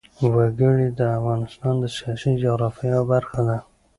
وګړي د افغانستان د سیاسي جغرافیه یوه برخه ده.